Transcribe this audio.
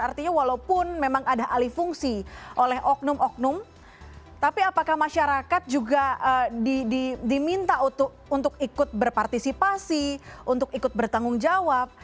artinya walaupun memang ada alifungsi oleh oknum oknum tapi apakah masyarakat juga diminta untuk ikut berpartisipasi untuk ikut bertanggung jawab